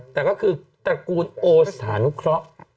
แต่ก็คือตระกูลโอสถานุเคราะห์